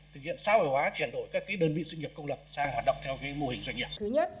thực hiện xã hội hóa chuyển đổi các cái đơn vị sự nghiệp công lập sang hoạt động theo cái mô hình doanh nghiệp